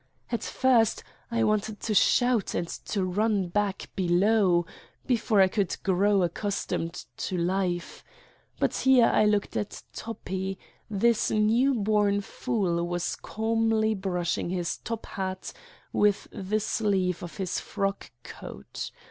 At first I wanted to shout and to run back below, before I could grow accustomed to life, but here I looked at Toppi: this new born fool was calmly brushing his top hat with the sleeve of his frock coat.